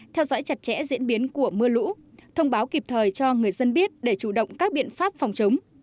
theo dõi chặt chẽ diễn biến của mưa lũ thông báo kịp thời cho người dân biết để chủ động các biện pháp phòng chống